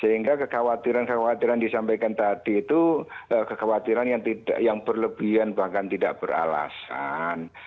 sehingga kekhawatiran kekhawatiran disampaikan tadi itu kekhawatiran yang berlebihan bahkan tidak beralasan